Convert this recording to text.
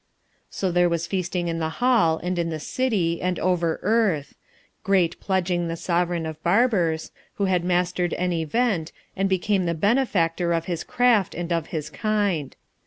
So there was feasting in the Hall, and in the City, and over Earth; great pledging the Sovereign of Barbers, who had mastered an Event, and become the benefactor of his craft and of his kind.